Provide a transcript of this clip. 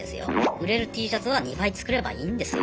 売れるＴシャツは２倍作ればいいんですよ。